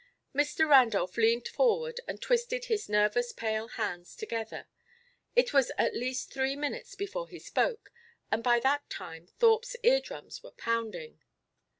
Mr. Randolph leaned forward and twisted his nervous pale hands together. It was at least three minutes before he spoke, and by that time Thorpe's ear drums were pounding.